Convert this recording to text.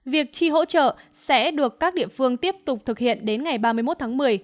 việc chi hỗ trợ sẽ được các địa phương tiếp tục thực hiện đến ngày ba mươi một tháng một mươi